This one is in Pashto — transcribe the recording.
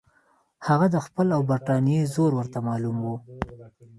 هغه د خپل او برټانیې زور ورته معلوم وو.